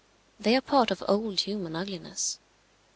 They are part of old human ugliness.